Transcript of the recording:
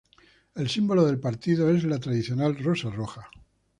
El símbolo del partido es la tradicional rosa roja.